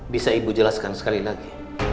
bisa ibu jelaskan sekali lagi